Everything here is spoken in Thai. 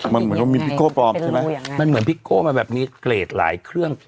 มันเหมือนว่ามีพิโก้ปลอมใช่ไหมมันเหมือนพี่โก้มันแบบมีเกรดหลายเครื่อง